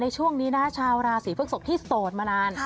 ช่วงนี้นะชาวราศีพฤกษกที่โสดมานาน